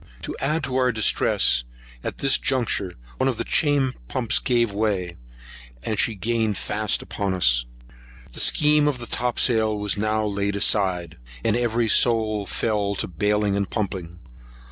To add to our distress, at this juncture one of the chain pumps gave way; and she gained fast upon us. The scheme of the topsail was now laid aside, and every soul fell to baling and pumping.